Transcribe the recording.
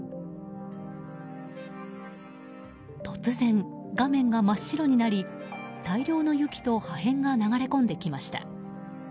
突然、画面が真っ白になり大量の雪と破片が流れ込んできました。